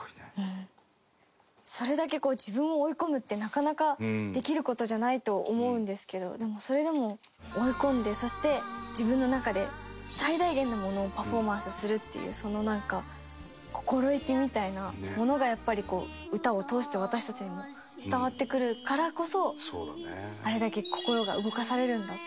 それだけこう自分を追い込むってなかなかできる事じゃないと思うんですけどでもそれでも追い込んでそして自分の中で最大限のものをパフォーマンスするっていうその心意気みたいなものがやっぱり歌を通して私たちにも伝わってくるからこそあれだけ心が動かされるんだと思って。